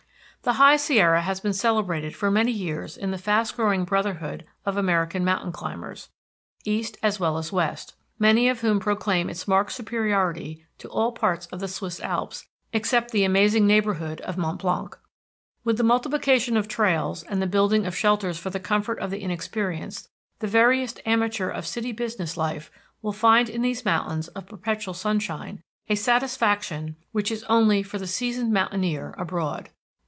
The High Sierra has been celebrated for many years in the fast growing brotherhood of American mountain climbers, east as well as west, many of whom proclaim its marked superiority to all parts of the Swiss Alps except the amazing neighborhood of Mont Blanc. With the multiplication of trails and the building of shelters for the comfort of the inexperienced, the veriest amateur of city business life will find in these mountains of perpetual sunshine a satisfaction which is only for the seasoned mountaineer abroad.